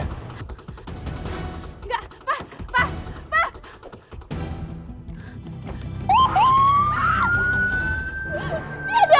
enggak pak pak pak